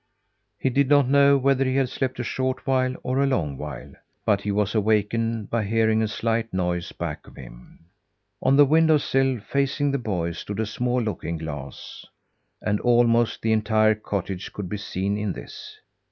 He did not know whether he had slept a short while, or a long while; but he was awakened by hearing a slight noise back of him. On the window sill, facing the boy, stood a small looking glass; and almost the entire cottage could be seen in this.